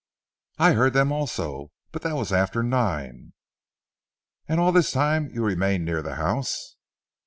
"I heard them also. But that was after nine." "And all this time you remained near the house?"